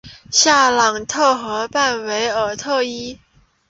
夏朗特河畔韦尔特伊。